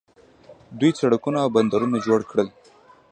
دوی سړکونه او بندرونه جوړ کړل.